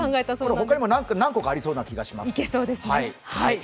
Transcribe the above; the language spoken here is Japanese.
他にも何個かありそうな感じがします。